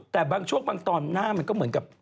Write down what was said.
แต่บางช่วงบางตอนหน้ามันก็เหมือนกับ